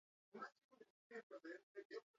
Datuak Babesteko Erregelamendu Orokorra.